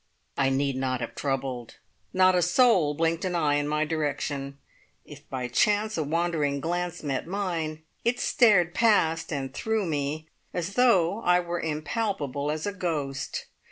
I need not have troubled. Not a soul blinked an eye in my direction. If by chance a wandering glance met mine, it stared past and through me as though I were impalpable as a ghost.